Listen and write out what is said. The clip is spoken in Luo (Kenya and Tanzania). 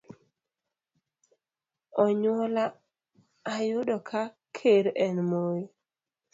Onyuola ayudo ka ker en Moi.